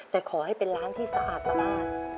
แต่ขอให้เป็นร้านที่สะอาดสะอาด